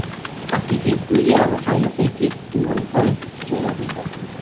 Aquí se incluyen a los Rayos X y monitores fisiológicos.